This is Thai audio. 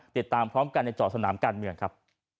ติดตามพร้อมกันในเจาะสนามการเมืองครับ